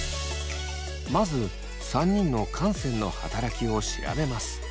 まず３人の汗腺の働きを調べます。